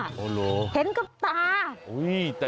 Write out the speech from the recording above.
เห็นกับตา